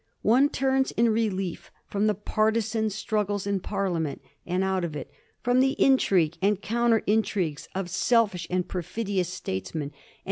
One turns in relief from the partisan strug gles in Parliament and out of it, from the intrigues and counter intrigues of selfish and perfidious statesmen, and 1738.